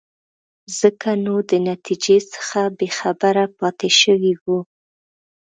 ځکه نو د نتیجې څخه بې خبره پاتې شوی وو.